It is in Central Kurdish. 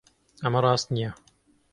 ئەمە ڕاست نییە.